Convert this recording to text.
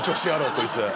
こいつ。